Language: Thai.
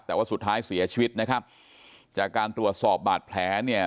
แต่ว่าสุดท้ายเสียชีวิตนะครับจากการตรวจสอบบาดแผลเนี่ย